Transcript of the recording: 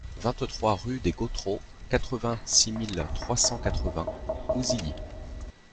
vingt-trois rue des Gautreaux, quatre-vingt-six mille trois cent quatre-vingts Ouzilly